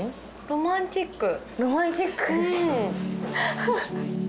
ロマンチック？